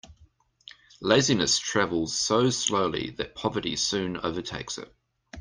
Laziness travels so slowly that poverty soon overtakes it.